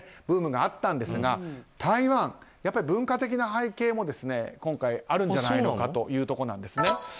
ブームがあったんですが台湾は文化的な背景も、今回あるんじゃないかというところ。